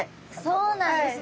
そうなんですね。